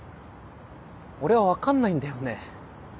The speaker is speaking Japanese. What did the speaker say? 俺は分かんないんだよね。